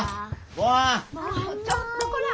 もうちょっとこら！